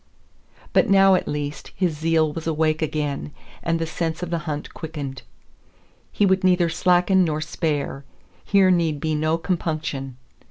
But now at least his zeal was awake again, and the sense of the hunt quickened. He would neither slacken nor spare; here need be no compunction.